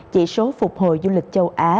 chỉ số phục hồi du lịch châu á